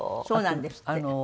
そうなんですって。